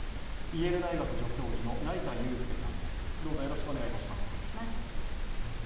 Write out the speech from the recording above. イェール大学助教授の成田悠輔さんです。